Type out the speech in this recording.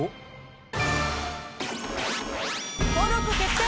登録決定！